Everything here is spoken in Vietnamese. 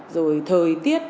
rồi thời tiết